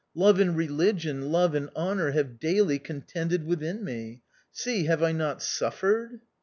Love and religion, love and honour have daily contended within me ; see, have I not suffered